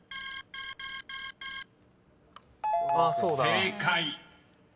［正解］